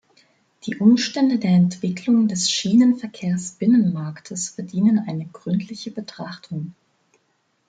Die Umstände der Entwicklung des Schienenverkehrsbinnenmarktes verdienen eine gründliche Betrachtung.